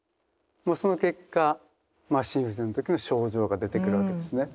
その結果まあ心不全の時の症状が出てくるわけですね。